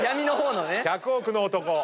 １００億の男。